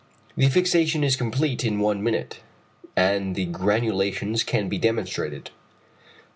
The fixation is complete in one minute, and the granulations can be demonstrated.